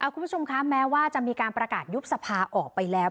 คุณผู้ชมคะแม้ว่าจะมีการประกาศยุบสภาออกไปแล้ว